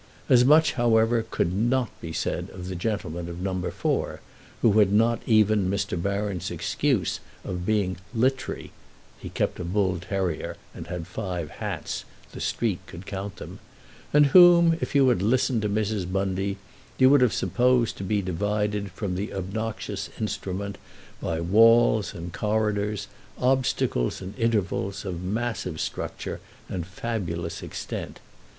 As much, however, could not be said of the gentleman of No. 4, who had not even Mr. Baron's excuse of being "littery" (he kept a bull terrier and had five hats—the street could count them), and whom, if you had listened to Mrs. Bundy, you would have supposed to be divided from the obnoxious instrument by walls and corridors, obstacles and intervals, of massive structure and fabulous extent.